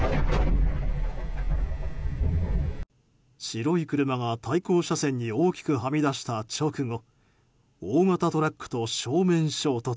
白い車が対向車線に大きくはみ出した直後大型トラックと正面衝突。